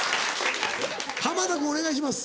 濱田君お願いします。